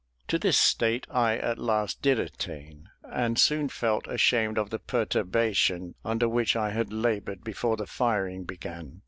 To this state I at last did attain, and soon felt ashamed of the perturbation under which I had laboured before the firing began.